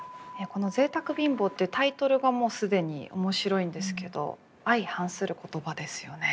この「贅沢貧乏」ってタイトルがもう既に面白いんですけど相反する言葉ですよね。